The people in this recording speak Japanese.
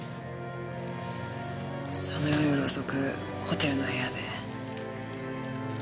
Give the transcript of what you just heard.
その夜遅くホテルの部屋で。